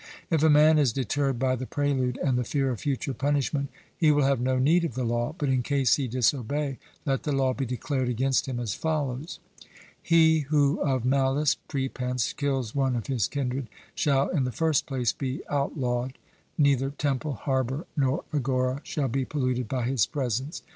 If a man is deterred by the prelude and the fear of future punishment, he will have no need of the law; but in case he disobey, let the law be declared against him as follows: He who of malice prepense kills one of his kindred, shall in the first place be outlawed; neither temple, harbour, nor agora shall be polluted by his presence.